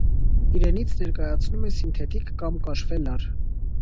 Իրենից ներկայացնում է սինթետիկ կամ կաշվե լար։